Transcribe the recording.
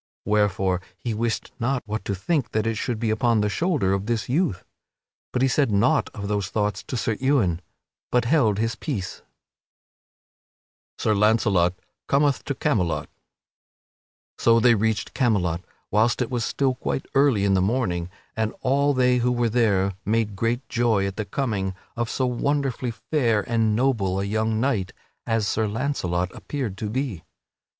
Wherefore, he wist not what to think that it should be upon the shoulder of this youth. But he said naught of these thoughts to Sir Ewain, but held his peace. [Sidenote: Sir Launcelot cometh to Camelot] So they reached Camelot whilst it was still quite early in the morning and all they who were there made great joy at the coming of so wonderfully fair and noble a young knight as Sir Launcelot appeared to be.